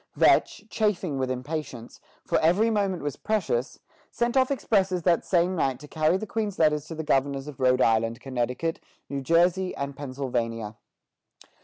Vetch, chafing with impatience, for every moment was precious, sent off expresses that same night to carry the Queen's letters to the governors of Rhode Island, Connecticut, New Jersey, and Pennsylvania.